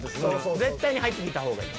絶対に入って来たほうがいい。